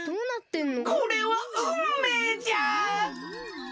これはうんめいじゃ！